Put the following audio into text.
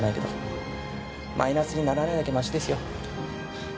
マイナスにならないだけましですよ。